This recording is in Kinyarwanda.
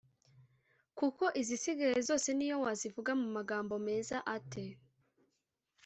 Kuko izisigaye zose n’iyo wazivuga mu magambo meza ate